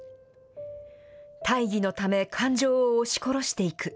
大義のため、感情を押し殺していく。